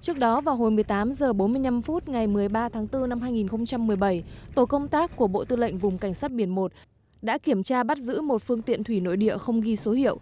trước đó vào hồi một mươi tám h bốn mươi năm phút ngày một mươi ba tháng bốn năm hai nghìn một mươi bảy tổ công tác của bộ tư lệnh vùng cảnh sát biển một đã kiểm tra bắt giữ một phương tiện thủy nội địa không ghi số hiệu